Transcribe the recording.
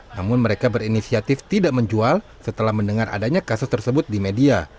namun mereka berinisiatif tidak menjual setelah mendengar adanya kasus tersebut di media